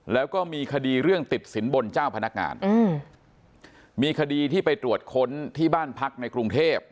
แล้วก็มีคดีเรื่องติดสินบนเจ้าพนักงานอืมมีคดีที่ไปตรวจค้นที่บ้านพักในกรุงเทพ